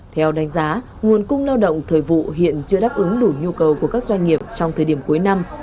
theo đánh giá nguồn cung lao động thời vụ hiện chưa đáp ứng đủ nhu cầu của các doanh nghiệp trong thời điểm cuối năm